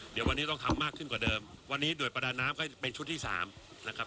เดี๋ยววันนี้ต้องทำมากขึ้นกว่าเดิมวันนี้หน่วยประดาน้ำก็เป็นชุดที่สามนะครับ